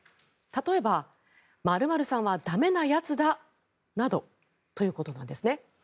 例えば○○さんは駄目なやつだ！などということなんですね。